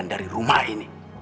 saya mimit rumah kalian